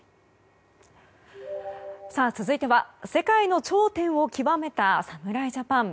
続いては世界の頂点を極めた侍ジャパン。